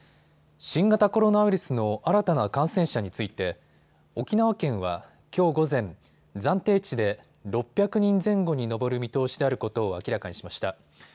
新型コロナウイルスの新たな感染者について沖縄県は、きょう午前、暫定値で６００人前後に上る見通しであることを明らかにしました。